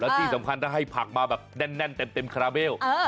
แล้วที่สำคัญถ้าให้ผักมาแบบแน่นแน่นเต็มเต็มคราเบลเออ